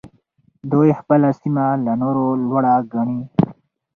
دوی خپله سيمه له نورو لوړه ګڼي.